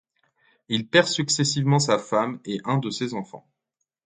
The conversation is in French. Il perd successivement sa femme et un de ses enfants.